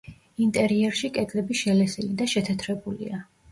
ინტერიერში კედლები შელესილი და შეთეთრებულია.